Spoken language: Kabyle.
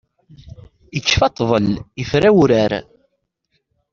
Ikfa ṭṭbel, ifra wurar.